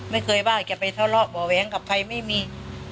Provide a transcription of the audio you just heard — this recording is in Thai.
ไม่เคยว่าจะไปทะเลาะเบาะแว้งกับใครไม่มี